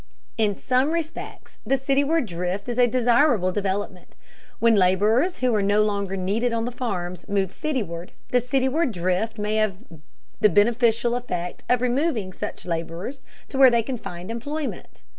In some respects the cityward drift is a desirable development. When laborers who are no longer needed on the farms move cityward, the cityward drift may have the beneficial effect of removing such laborers to where they can find employment.